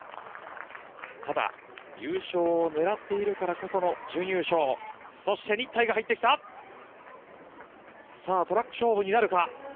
ただ、優勝を狙っているからこその準優勝そして日体が入ってきたトラック勝負になるか。